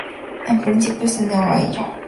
En principio, se negó a ello.